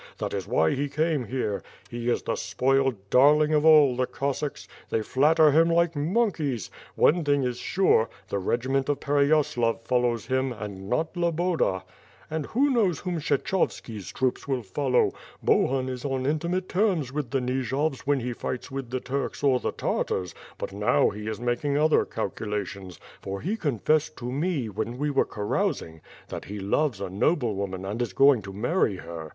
That is why he came here. He is the spoiled darling of all the Cossacks. They flatter him like monkeys. One thing is sure; the regiment of Pereyaslav follows him, and not Loboda. And who knows whom Kshechovski's troops will follow. Bohun is on intimate terms with the Nijovs when he fights with the Turks or the Tartars; but now he is making other calculations, for he confessed to me, when we were carousing, that he loves a noblewoman and is going to marry her.